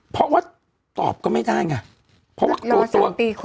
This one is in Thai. เพราะว่าตอบก็ไม่ได้ไง